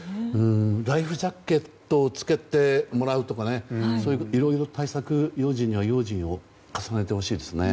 ライフジャケットを着けてもらうとかそういういろいろな対策用心には用心を重ねてほしいですね。